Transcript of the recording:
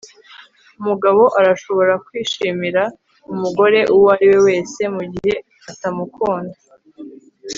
Umugabo arashobora kwishimira umugore uwo ari we wese mugihe atamukunda